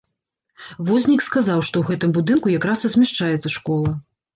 Вознік сказаў, што ў гэтым будынку якраз і змяшчаецца школа.